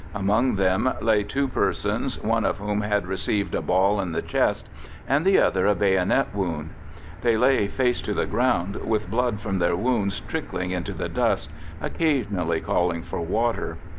Among them lay two persons, one of whom had received a ball in the chest, and the other a bayonet wound. They lay face to the ground with blood from their wounds trickling into the dust, occasionally calling for water.